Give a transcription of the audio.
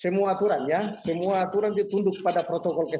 semua aturan ya semua aturan ditunduk pada protokol kesehatan